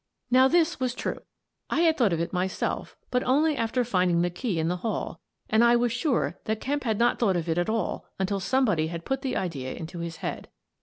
Now this was true. I had thought of it myself, but only after finding the key in the hall, and I was sure that Kemp had not thought of it at all, until somebody had put the idea into his head.